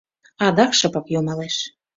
Адак шыпак йомалеш.